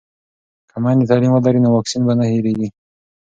که میندې تعلیم ولري نو واکسین به نه هیروي.